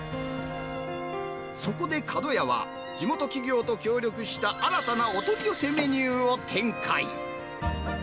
そこでかどやは、地元企業と協力した新たなお取り寄せメニューを展開。